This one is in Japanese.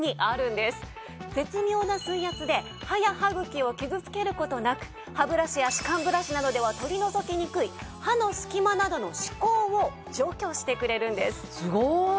絶妙な水圧で歯や歯茎を傷つける事なく歯ブラシや歯間ブラシなどでは取り除きにくい歯の隙間などの歯垢を除去してくれるんです。